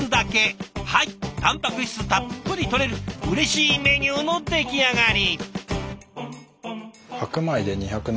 はいたんぱく質たっぷりとれるうれしいメニューの出来上がり！